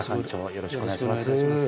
よろしくお願いします。